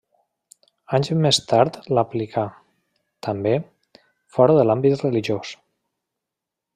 Anys més tard l'aplicà, també, fora de l'àmbit religiós.